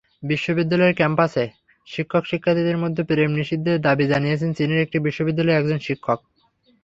বিশ্ববিদ্যালয়ের ক্যাম্পাসে শিক্ষক-শিক্ষার্থীর মধ্যে প্রেম নিষিদ্ধের দাবি জানিয়েছেন চীনের একটি বিশ্ববিদ্যালয়ের একজন শিক্ষক।